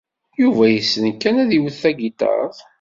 Yuba yessen kan ad iwet tagiṭart.